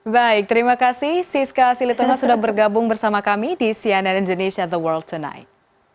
baik terima kasih siska silitono sudah bergabung bersama kami di cnn indonesia the world tonight